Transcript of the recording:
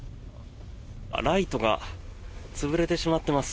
ライトが潰れてしまっています。